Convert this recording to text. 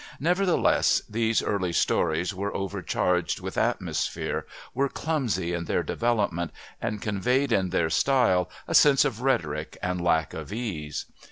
Nevertheless these early stories were overcharged with atmosphere, were clumsy in their development and conveyed in their style a sense of rhetoric and lack of ease.